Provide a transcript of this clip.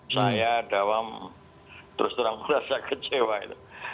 saya dalam terus terang merasa kecewa itu